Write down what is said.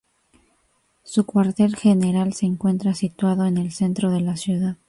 Su cuartel general se encuentra situado en el centro de la ciudad.